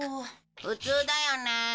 普通だよねえ。